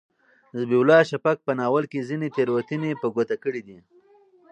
ذبیح الله شفق په ناول کې ځینې تېروتنې په ګوته کړي دي.